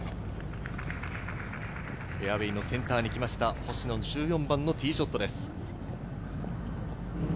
フェアウエーのセンターに来ました星野、１４番のティーショットです。